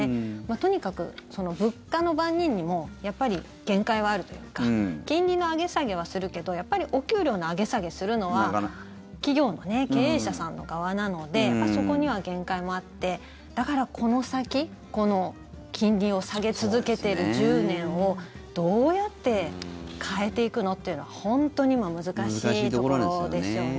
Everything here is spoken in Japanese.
とにかく物価の番人にもやっぱり限界はあるというか金利の上げ下げはするけどやっぱりお給料の上げ下げするのは企業の経営者さんの側なのでそこには限界もあってだから、この先金利を下げ続けている１０年をどうやって変えていくのっていうのは本当に難しいところですよね。